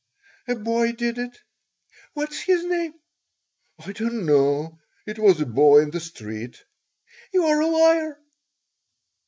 "A boy did it." "What is his name?" "I don't know. It was a boy in the street." "You are a liar."